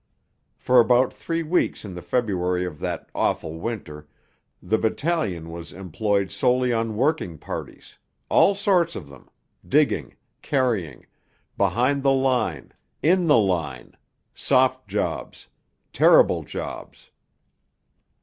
For about three weeks in the February of that awful winter the battalion was employed solely on working parties, all sorts of them, digging, carrying, behind the line, in the line, soft jobs, terrible jobs.